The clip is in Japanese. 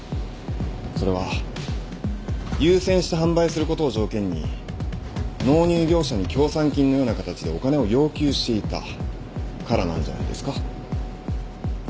それは優先して販売することを条件に納入業者に協賛金のような形でお金を要求していたからなんじゃないですか？